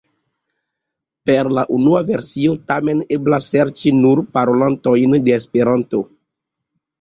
Per la unua versio tamen eblas serĉi nur parolantojn de Esperanto.